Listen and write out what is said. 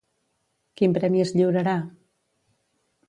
Quin premi es lliurarà?